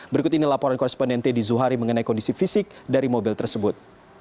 berikut ini laporan koresponden teddy zuhari mengenai kondisi fisik dari mobil tersebut